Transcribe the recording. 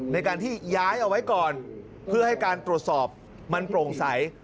ในการที่ย้ายเอาไว้ก่อนเพื่อให้การตรวจสอบมันโปร่งใส